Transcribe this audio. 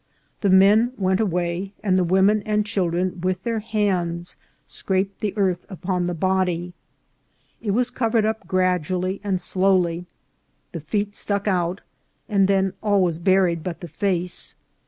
The men went away, and the women and children with their hands scraped the earth upon the body. It was covered up gradually and slowly; the feet stuck out, and then all was buried but the face.